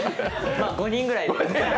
まあ、５人ぐらいで。